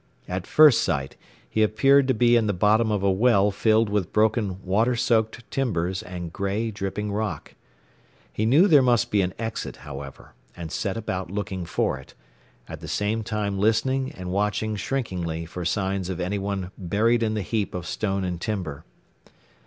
At first sight he appeared to be in the bottom of a well filled with broken water soaked timbers and gray, dripping rock. He knew there must be an exit, however, and set about looking for it, at the same time listening and watching shrinkingly for signs of anyone buried in the heap of stone and timber.